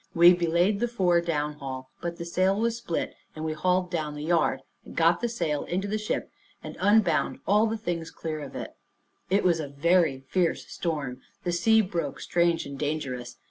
We belayed the fore downhaul; but the sail was split, and we hauled down the yard, and got the sail into the ship, and unbound all the things clear of it. It was a very fierce storm; the sea broke strange and dangerous.